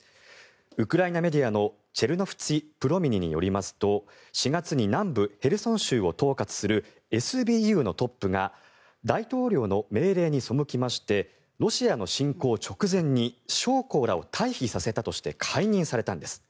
ウクライナメディアのチェルノフツィ・プロミニによりますと４月に南部ヘルソン州を統括するＳＢＵのトップが大統領の命令に背きましてロシアの侵攻直前に将校らを退避させたとして解任されたんです。